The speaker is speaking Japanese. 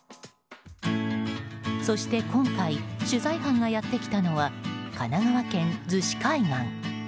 そして今回取材班がやってきたのは神奈川県逗子海岸。